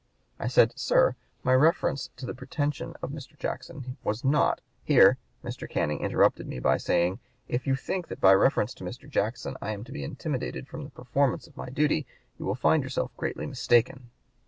I said: 'Sir, my reference to the pretension of Mr. Jackson was not' Here Mr. Canning interrupted me by saying: 'If you think that by reference to Mr. Jackson I am to be intimidated from the performance of my (p. 147) duty you will find yourself greatly mistaken.'